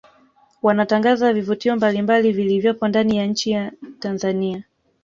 Wanatangaza vivutio mbalimbali vilivyopo ndani ya nchi ya Tanzania